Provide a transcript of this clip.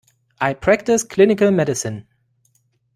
I practice clinical medicine.